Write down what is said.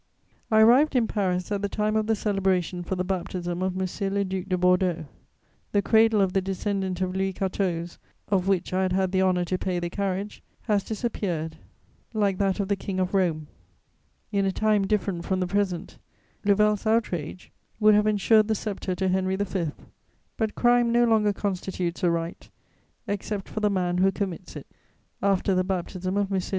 I arrived in Paris at the time of the celebration for the baptism of M. le Duc de Bordeaux. The cradle of the descendant of Louis XIV., of which I had had the honour to pay the carriage, has disappeared like that of the King of Rome. In a time different from the present, Louvel's outrage would have ensured the sceptre to Henry V.; but crime no longer constitutes a right, except for the man who commits it. [Sidenote: Baptism of the Duc de Bordeaux.] After the baptism of M.